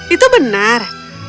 hmm itu benar